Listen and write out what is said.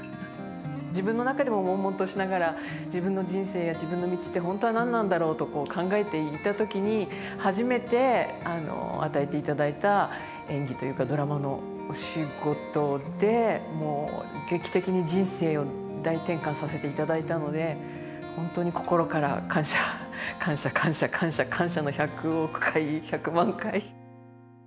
自分の中でももんもんとしながら自分の人生や自分の道って本当は何なんだろうと考えていた時に初めて与えていただいた演技というかドラマのお仕事でもう劇的に人生を大転換させていただいたので本当に心から感謝感謝感謝感謝感謝の１００億回１００万回。